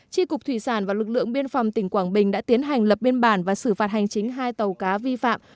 tri cục thủy sản và lực lượng biên phòng tỉnh quảng bình đã tiến hành lập biên bản và xử phạt hành chính hai tàu cá vi phạm